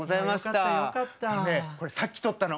あのねこれさっき撮ったの！